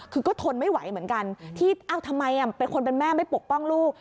คือก็ทนไม่ไหวเหมือนกันที่ทำไมเป็นคนเป็นแม่ไม่ปกป้องลูก